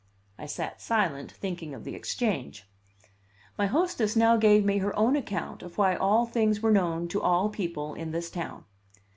I sat silent, thinking of the Exchange. My hostess now gave me her own account of why all things were known to all people in this town.